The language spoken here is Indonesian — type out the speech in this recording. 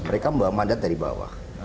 mereka membawa mandat dari bawah